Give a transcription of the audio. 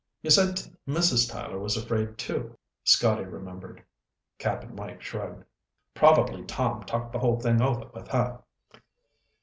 "You said Mrs. Tyler was afraid, too," Scotty remembered. Cap'n Mike shrugged. "Probably Tom talked the whole thing over with her."